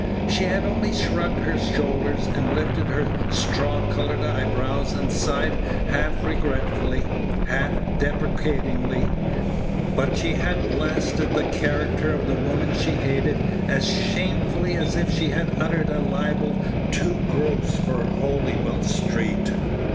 She had only shrugged her shoulders, and lifted her straw colored eyebrows, and sighed half regretfully, half deprecatingly; but she had blasted the character of the woman she hated as shamefully as if she had uttered a libel too gross for Holywell street.